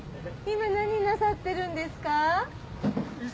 今何なさってるんですか？